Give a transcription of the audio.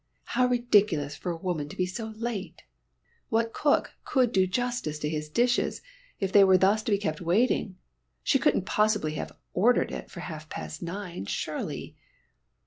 How ridiculous for a woman to be so late! What cook could do justice to his dishes if they were thus to be kept waiting? She couldn't possibly have ordered it for half past nine, surely!